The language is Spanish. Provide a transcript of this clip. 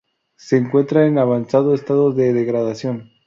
Se encuentra en avanzado estado de degradación.